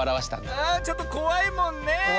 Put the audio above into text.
あちょっとこわいもんねえ。